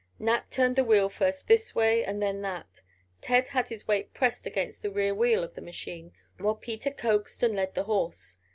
Nat turned the wheel first this way and then that. Ted had his weight pressed against the rear wheel of the machine, while Peter coaxed and led the horse.